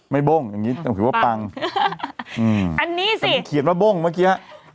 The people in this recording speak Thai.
มันเขียนว่าบ้งเมื่อกี้